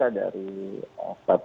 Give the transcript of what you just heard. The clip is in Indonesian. saya di rumah sakit di rumah sakit